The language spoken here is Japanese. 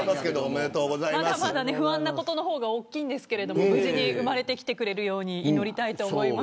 まだ不安なことの方が大きいですけど無事に生まれてくれるように祈りたいです。